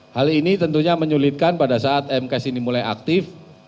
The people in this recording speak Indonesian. hal ini tentunya menyulitkan pada saat mks ini mulai aktif